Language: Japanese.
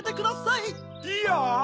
いいよ！